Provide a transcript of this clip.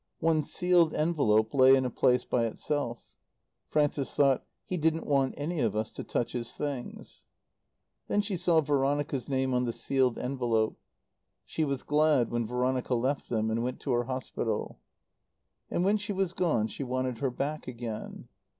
One sealed envelope lay in a place by itself. Frances thought: "He didn't want any of us to touch his things." Then she saw Veronica's name on the sealed envelope. She was glad when Veronica left them and went to her hospital. And when she was gone she wanted her back again.